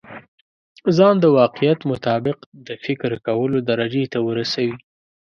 ځان د واقعيت مطابق د فکر کولو درجې ته ورسوي.